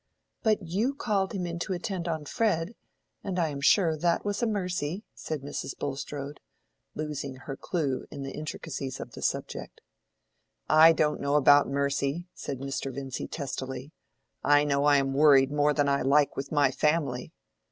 "But you called him in to attend on Fred, and I am sure that was a mercy," said Mrs. Bulstrode, losing her clew in the intricacies of the subject. "I don't know about mercy," said Mr. Vincy, testily. "I know I am worried more than I like with my family.